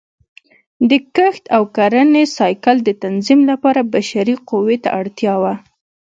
د کښت او کرنې سایکل د تنظیم لپاره بشري قوې ته اړتیا وه